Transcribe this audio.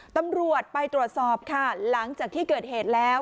ตำรวจไปตรวจสอบค่ะหลังจากที่เกิดเหตุแล้ว